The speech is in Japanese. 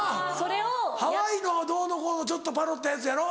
ハワイのどうのこうのちょっとパロったやつやろ？